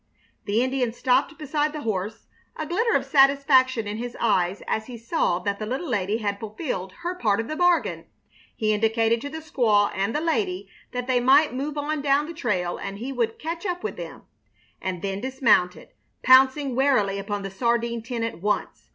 The Indian stopped beside the horse, a glitter of satisfaction in his eyes as he saw that the little lady had fulfilled her part of the bargain. He indicated to the squaw and the lady that they might move on down the trail, and he would catch up with them; and then dismounted, pouncing warily upon the sardine tin at once.